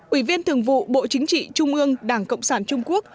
ủy viên thường vụ bộ chính trị trung ương đảng cộng sản trung quốc